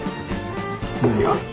何が？